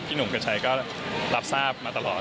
หนุ่มกัญชัยก็รับทราบมาตลอด